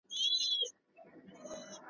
چي څه تیار وي هغه د یار وي `